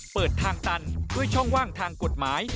เปิดทางตันด้วยช่องว่างทางกฎหมาย